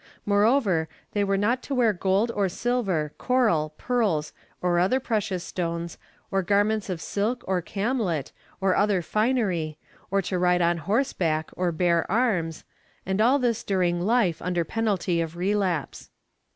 Moreover, they were not to wear gold or silver, coral, pearls or other precious stones or garments of silk or camlet or other finery or to ride on horse back or bear arms, and all this during life, under penalty of relapse.